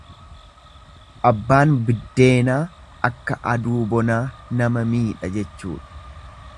Abbaan biddeenaa akka aduu bonaa nama miidha jechuudha.